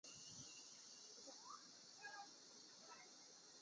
谷物市场是德国慕尼黑市内一个食品市场和广场。